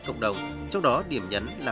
cộng đồng trong đó điểm nhấn là